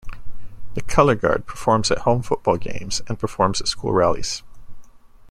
The Color Guard performs at home football games and performs at school rallies.